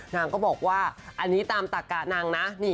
นางก็บอกว่าอันนี้ตามตักกะนางนะ